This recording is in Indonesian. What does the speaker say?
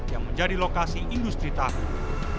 yang menjadi lokasi industri tahu